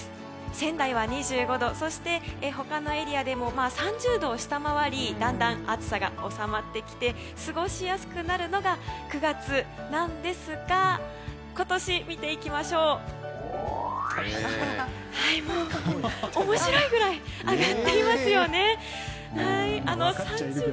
仙台は２５度、他のエリアでも３０度を下回りだんだん暑さが収まってきて過ごしやすくなるのが９月なんですが今年を見ていきますともう面白いぐらい上がっていますよね。